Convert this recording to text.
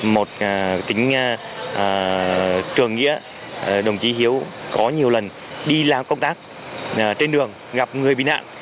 một kính trường nghĩa đồng chí hiếu có nhiều lần đi làm công tác trên đường gặp người bị nạn